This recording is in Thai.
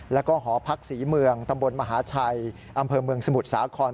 แล้วก็หอพักศรีเมืองตำบลมหาชัยอำเภอเมืองสมุทรสาคร